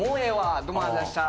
どうもー！